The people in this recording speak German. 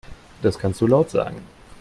Das kannst du laut sagen.